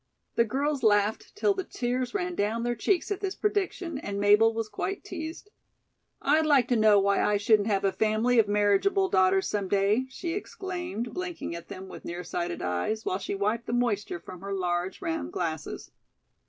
The girls laughed till the tears ran down their cheeks at this prediction, and Mabel was quite teased. "I'd like to know why I shouldn't have a family of marriageable daughters some day," she exclaimed, blinking at them with near sighted eyes while she wiped the moisture from her large round glasses.